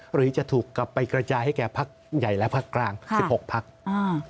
หรือจะถูกกลับไปกระจายให้แก่พักใหญ่และพักกลางสิบหกพักอ่า